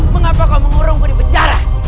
mengapa kau mengurungku di penjara